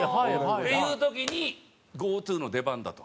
っていう時にＧＯ☆ＴＯの出番だと。